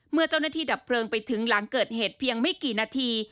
เมื่อเจ้าหน้าที่ดับเพลิงไปถึงหลังเกิดเหตุเพียงไม่กี่นาที